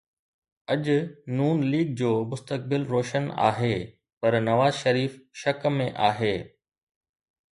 اڄ نون ليگ جو مستقبل روشن آهي پر نواز شريف شڪ ۾ آهي